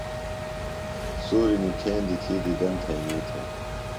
سوریۡ نِکھیندیۡ تھی دیدن تھئینی تھےۡ۔